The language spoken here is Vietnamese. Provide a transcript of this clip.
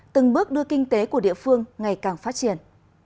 từng bước đưa kinh tế của địa phương ngày càng phát triển